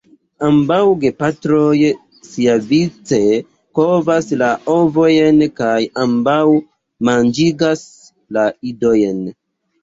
Ambaŭ gepatroj siavice kovas la ovojn kaj ambaŭ manĝigas la idojn.